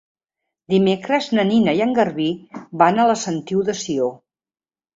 Dimecres na Nina i en Garbí van a la Sentiu de Sió.